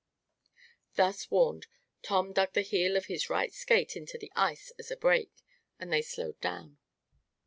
Thus warned, Tom dug the heel of his right skate into the ice as a brake, and they slowed down.